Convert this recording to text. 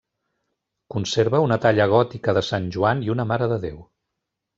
Conserva una talla gòtica de sant Joan i una marededéu.